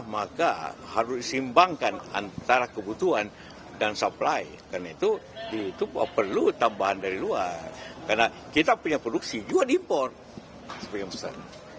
memang murni bisnis dan bapak tidak melihat ada unsur komponsen